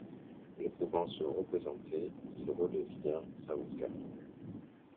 Ne pouvant se représenter, il redevient avocat.